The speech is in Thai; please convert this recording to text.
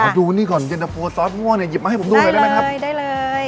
ดูนี่ก่อนเย็นตะโฟซอสมั่วเนี่ยหยิบมาให้ผมดูหน่อยได้ไหมครับใช่ได้เลย